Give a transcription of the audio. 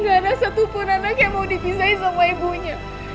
gak ada satupun anak yang mau dipisahin sama ibunya